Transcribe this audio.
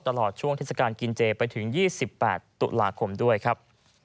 ตลอดช่วงเทศกาลกินเจไปถึง๒๘ตุลาคมด้วยครับ